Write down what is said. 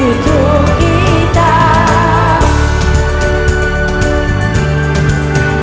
itu kita manusia kuat